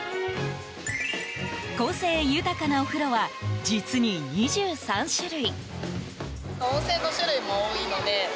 個性豊かなお風呂は実に２３種類。